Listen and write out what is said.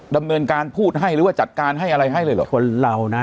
ดำเนินการพูดให้หรือว่าจัดการให้อะไรให้เลยเหรอคนเรานะ